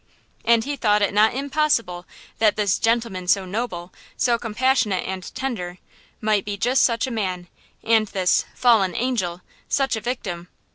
And he thought it not impossible that this "gentleman so noble, so compassionate and tender," might be just such a man, and this "fallen angel" such a victim.